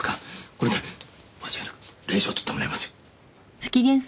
これで間違いなく令状を取ってもらえますよ。